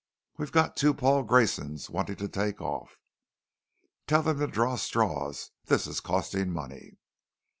"We've got two Paul Graysons wanting to take off." "Tell 'em to draw straws. This is costing money."